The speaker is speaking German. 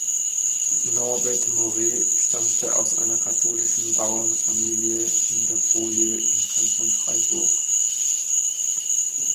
Norbert Moret stammte aus einer katholischen Bauernfamilie in der Broye im Kanton Freiburg.